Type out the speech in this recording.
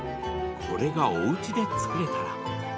これがおうちで作れたら。